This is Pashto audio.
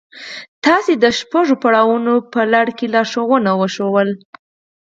تاسې ته د شپږو پړاوونو په لړ کې لارښوونه وشوه.